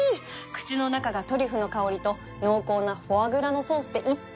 口の中がトリュフの香りと濃厚なフォアグラのソースでいっぱい